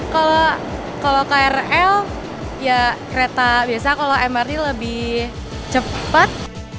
kalau krl ya kereta biasa kalau mrt lebih cepat